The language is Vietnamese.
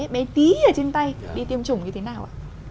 bé tí ở trên tay đi tiêm chủng như thế nào ạ